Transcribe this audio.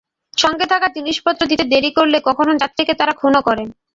সঙ্গে থাকা জিনিসপত্র দিতে দেরি করলে কখনো যাত্রীকে তাঁরা খুনও করেন।